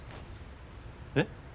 えっ？